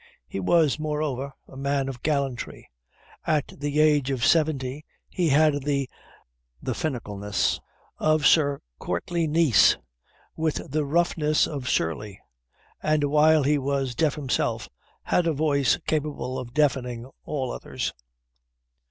He was, moreover, a man of gallantry; at the age of seventy he had the finicalness of Sir Courtly Nice, with the roughness of Surly; and, while he was deaf himself, had a voice capable of deafening all others.